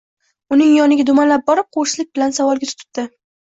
Uning yoniga dumalab borib, qo‘rslik bilan savolga tutibdi: